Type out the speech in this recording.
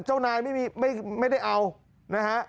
เจ้านายไม่ได้เอานะฮะ